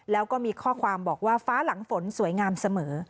แล้วก็มีข้อความบอกว่าฟ้าหลังฝนสวยงามเสมอ